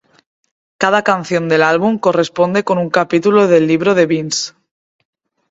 Cada canción del álbum corresponde con un capítulo del libro de Vince.